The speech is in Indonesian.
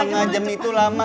setengah jam itu lama